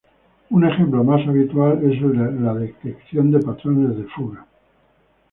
Un ejemplo más habitual es el de la detección de patrones de fuga.